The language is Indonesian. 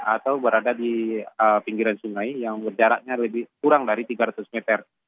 atau berada di pinggiran sungai yang berjaraknya kurang dari tiga ratus meter